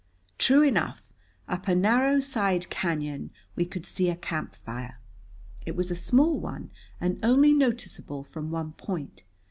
True enough, up a narrow side cañon we could see a camp fire. It was a small one, and only noticeable from one point.